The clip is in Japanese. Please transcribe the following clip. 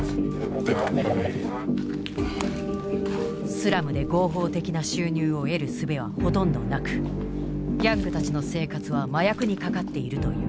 スラムで合法的な収入を得るすべはほとんどなくギャングたちの生活は麻薬にかかっているという。